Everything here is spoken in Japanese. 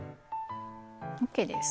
ＯＫです。